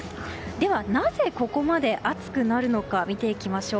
では、なぜここまで暑くなるのか見ていきましょう。